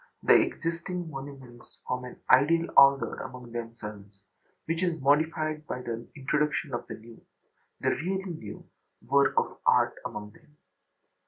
The existing monuments form an ideal order among themselves, which is modified by the introduction of the new (the really new) work of art among them.